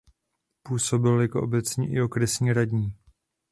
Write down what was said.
Působil jako obecní i okresní radní.